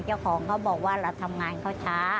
เจ้าของเขาบอกว่าเราทำงานเขาช้า